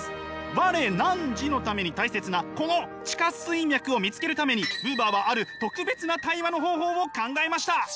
「我−汝」のために大切なこの地下水脈を見つけるためにブーバーはある特別な対話の方法を考えました。